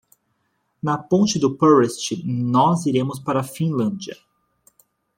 Na ponte do Purest nós iremos para a Finlândia.